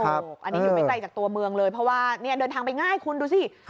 อันนี้อยู่ไม่ไกลจากตัวเมืองเลยเพราะว่าเดินทางไปง่ายคุณดูสิ